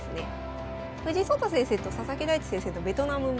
藤井聡太先生と佐々木大地先生のベトナムも。